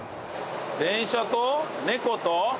電車と猫と。